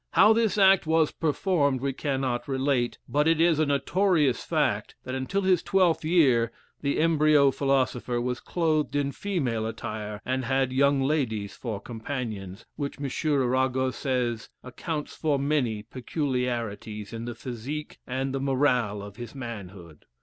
How this act was performed we cannot relate; but it is a notorious fact that until his twelfth year, the embryo philosopher was clothed in female attire, and had young ladies for companions, which, M. Arago says, "accounts for many peculiarities in the physique and the morale of his manhood."